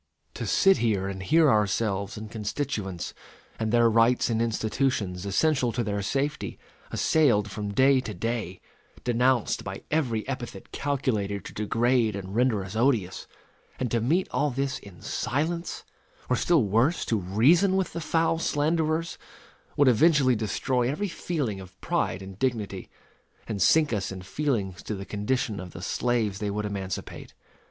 To sit here and hear ourselves and constituents, and their rights and institutions (essential to their safety), assailed from day to day denounced by every epithet calculated to degrade and render us odious; and to meet all this in silence, or still worse, to reason with the foul slanderers, would eventually destroy every feeling of pride and dignity, and sink us in feelings to the condition of the slaves they would emancipate.